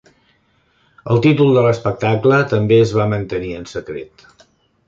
El títol de l'espectacle també es va mantenir en secret.